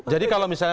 jadi kalau misalnya